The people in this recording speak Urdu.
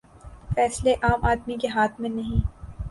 فیصلے عام آدمی کے ہاتھ میں نہیں۔